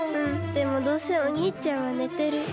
でもどうせおにいちゃんはねてる。